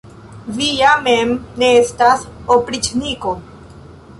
Vi ja mem ne estas opriĉniko!